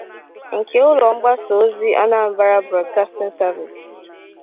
nke ụlọ mgbasa ozi 'Anambra Broadcasting Service'